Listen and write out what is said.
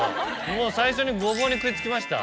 もう最初にゴボウに食い付きました？